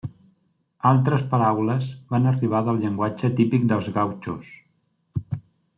Altres paraules van arribar del llenguatge típic dels gautxos.